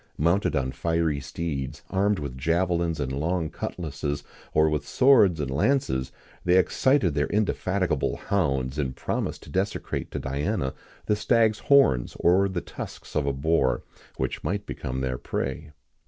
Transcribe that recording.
Mounted on fiery steeds, armed with javelins and long cutlasses, or with swords and lances,[XIX 17] they excited their indefatigable hounds, and promised to consecrate to Diana the stag's horns, or the tusks of the boar,[XIX 18] which might become their prey.